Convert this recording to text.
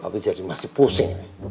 bobi jadi masih pusing